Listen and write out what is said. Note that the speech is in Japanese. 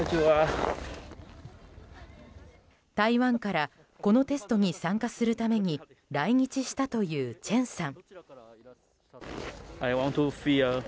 台湾からこのテストに参加するために来日したという、チェンさん。